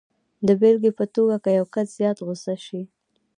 د بېلګې په توګه که یو کس زیات غسه شي